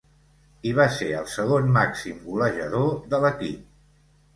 I va ser el segon màxim golejador de l'equip.